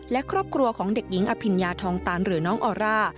และครอบครัวของเด็กหญิงอภิญญาทองตันหรือน้องออร่า